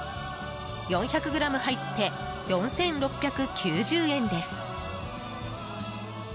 ４００ｇ入って４６９０円です。